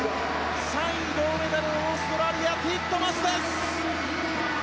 ３位、銅メダルオーストラリア、ティットマス。